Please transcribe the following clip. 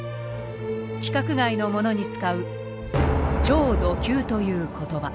規格外のものに使う「超ド級」という言葉。